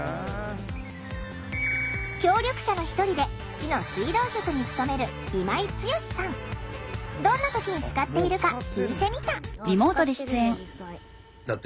協力者の一人で市の水道局に勤めるどんな時に使っているか聞いてみた。